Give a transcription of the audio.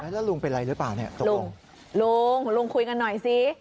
แล้วลุงเป็นอะไรหรือเปล่าเนี่ยลุงลุงคุยกันหน่อยสิ